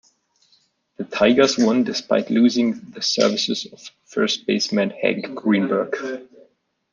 The Tigers won despite losing the services of first baseman Hank Greenberg.